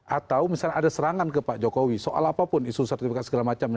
atau misalnya ada serangan ke pak jokowi soal apapun isu sertifikat segala macam